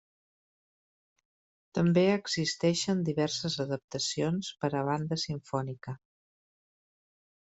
També existeixen diverses adaptacions per a banda simfònica.